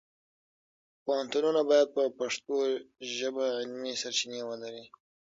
پوهنتونونه باید په پښتو ژبه علمي سرچینې ولري.